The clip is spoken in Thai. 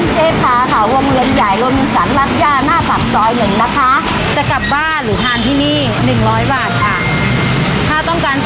สวัสดีค่ะ